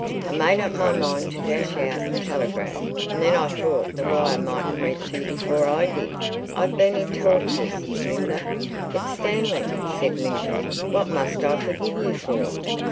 I made up my mind to dash out and telegraph, and then I thought the wire mightn't reach you before I did. I've been in tortures, Linda." "But, Stanley," said Linda, "what must I forgive you for?"